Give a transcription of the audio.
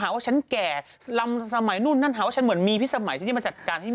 มาเจอกันหลังครบตรงชาตินะฮะไทรัตว์ทีวีอย่างนี้